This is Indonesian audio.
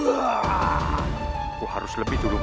aku harus lebih dulu